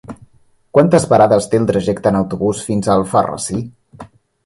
Quantes parades té el trajecte en autobús fins a Alfarrasí?